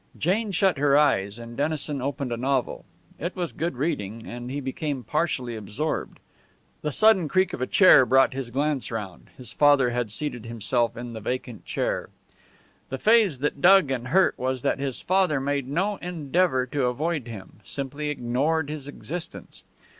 Jane shut her eyes, and Dennison opened a novel. It was good reading, and he became partially absorbed. The sudden creak of a chair brought his glance round. His father had seated himself in the vacant chair. The phase that dug in and hurt was that his father made no endeavour to avoid him simply ignored his existence.